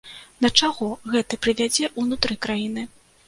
Да чаго гэты прывядзе ўнутры краіны?